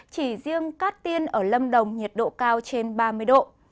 chỉ riêng cát tiên ở lâm đồng nhiệt độ cao trên ba mươi độ